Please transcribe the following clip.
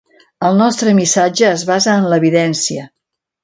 El nostre missatge es basa en l'evidència.